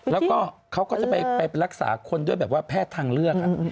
แล้วก็เขาก็จะไปรักษาคนด้วยแบบว่าแพทย์ทางเลือก